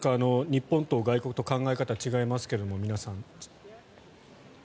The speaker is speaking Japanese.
日本と外国と考え方違いますけれど、皆さん。